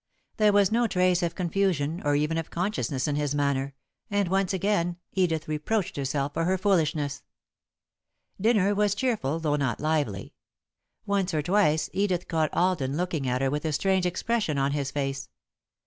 There was no trace of confusion, or even of consciousness in his manner, and, once again, Edith reproached herself for her foolishness. [Sidenote: "Don't Leave Me Alone"] Dinner was cheerful, though not lively. Once or twice, Edith caught Alden looking at her with a strange expression on his face.